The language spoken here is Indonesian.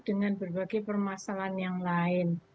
dengan berbagai permasalahan yang lain